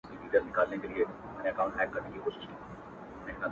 اوس هم زما د وجود ټوله پرهرونه وايي ـ